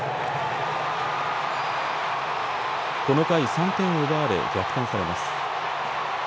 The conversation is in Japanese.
この回、３点を奪われ逆転されます。